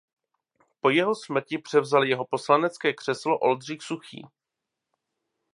Po jeho smrti převzal jeho poslanecké křeslo Oldřich Suchý.